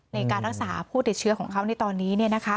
ในการรักษาผู้เด็ดเชื้อของเขาในตอนนี้เนี่ยนะคะ